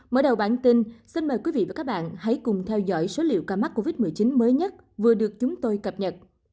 mở đầu bản tin xin mời quý vị và các bạn hãy cùng theo dõi số liệu ca mắc covid một mươi chín mới nhất vừa được chúng tôi cập nhật